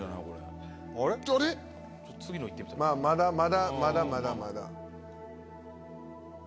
まぁまだまだまだまだ。